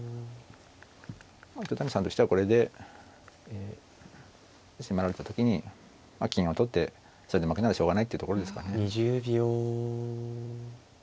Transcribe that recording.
糸谷さんとしてはこれで攻められた時に金を取ってそれで負けならしょうがないっていうところですかね。